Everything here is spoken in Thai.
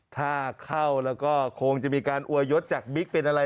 ถ้าเข้าแล้วก็คงจะมีการอวยยศจากบิ๊กเป็นอะไร